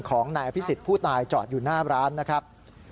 ของนายอภิษฎผู้ตายจอดอยู่หน้าร้านนะครับ